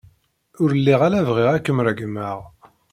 Ur lliɣ ara bɣiɣ ad kem-regmeɣ.